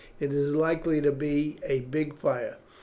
It is likely to be a big fire.